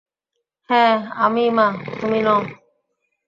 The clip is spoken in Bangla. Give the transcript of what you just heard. হ্যাঁ, আমি-ই মা, তুমি নও!